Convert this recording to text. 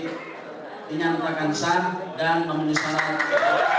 dinyatakan saling dan memenuhi syarat